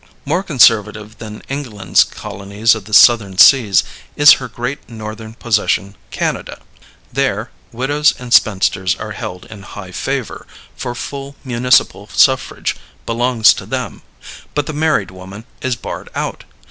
More conservative than England's colonies of the Southern Seas is her great Northern possession, Canada. There widows and spinsters are held in high favor, for full municipal suffrage belongs to them. But the married woman is barred out.